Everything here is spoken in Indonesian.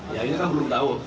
ya ini kan belum tahu